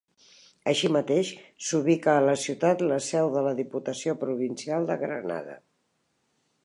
Així mateix, s'ubica a la ciutat la seu de la Diputació Provincial de Granada.